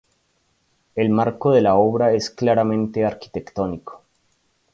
El marco de la obra es claramente arquitectónico.